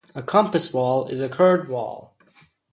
A compass wall is a curved wall.